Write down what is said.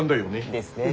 ですね。